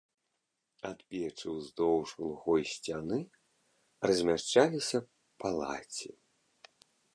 Ад печы ўздоўж глухой сцяны размяшчаліся палаці.